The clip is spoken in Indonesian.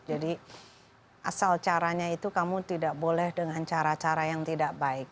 jadi asal caranya itu kamu tidak boleh dengan cara cara yang tidak baik